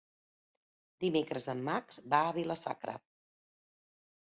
Dimecres en Max va a Vila-sacra.